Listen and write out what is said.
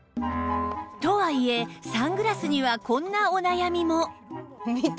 とはいえサングラスにはこんなお悩みも